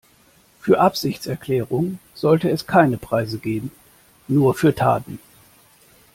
Für Absichtserklärungen sollte es keine Preise geben, nur für Taten.